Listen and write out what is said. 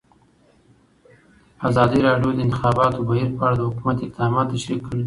ازادي راډیو د د انتخاباتو بهیر په اړه د حکومت اقدامات تشریح کړي.